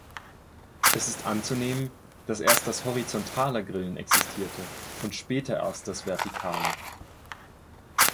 Es ist anzunehmen, dass erst das horizontale Grillen existierte und später erst das vertikale.